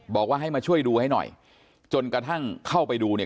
บอกว่าให้มาช่วยดูให้หน่อยจนกระทั่งเข้าไปดูเนี่ย